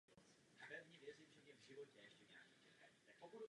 Později ves zanikla a zůstal jen mlýn.